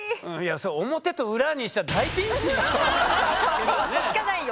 それ表と裏にしたらピンチしかないよ。